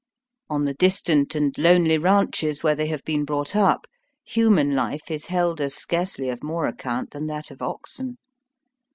On the distant and lonely ranches where they have been brought up, ' human life is held as scarcely of more account than that of oxen.